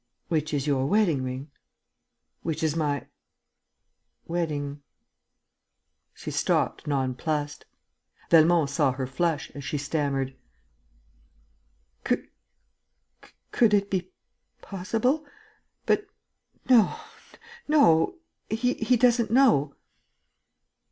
"Which is your wedding ring?" "Which is my ... wedding ..." She stopped, nonplussed. Velmont saw her flush as she stammered: "Could it be possible?... But no ... no ... he doesn't know...."